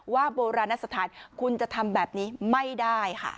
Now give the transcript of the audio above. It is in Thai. โบราณสถานคุณจะทำแบบนี้ไม่ได้ค่ะ